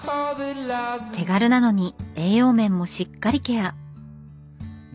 手軽なのに栄養面もしっかりケア。